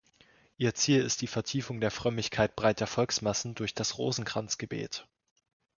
Ihr Ziel ist die Vertiefung der Frömmigkeit breiter Volksmassen durch das Rosenkranzgebet.